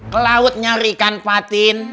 kelaut nyari ikan patin